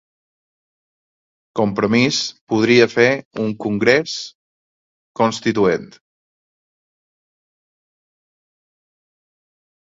Compromís podria fer un congrés constituent